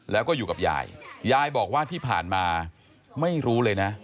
แล้วก็อยู่กับยายยายบอกว่าที่ผ่านมาไม่รู้เลยนะ